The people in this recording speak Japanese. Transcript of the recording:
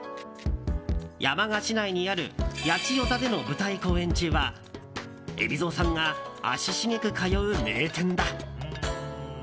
山鹿市内にある八千代座での舞台公演中は海老蔵さんが足しげく通う名店だ。